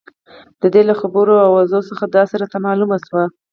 د دې له خبرو او اوضاع څخه داسې راته معلومه شوه.